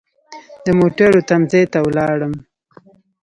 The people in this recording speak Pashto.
د موټرو تم ځای ته ولاړم.